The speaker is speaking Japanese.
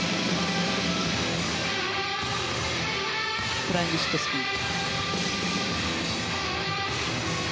フライングシットスピン。